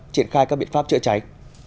triển khai các biện pháp chữa cháy